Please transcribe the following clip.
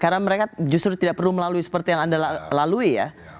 karena mereka justru tidak perlu melalui seperti yang anda lalui ya